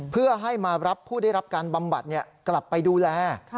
เพื่อให้มารับผู้ได้รับการบำบัดกลับไปดูแล